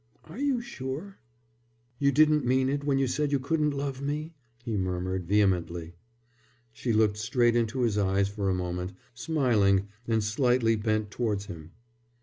"Are you sure?" "You didn't mean it when you said you couldn't love me?" he murmured, vehemently. She looked straight into his eyes for a moment, smiling, and slightly bent towards him.